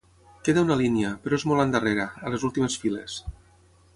Queda una línia, però és molt endarrere, a les últimes files.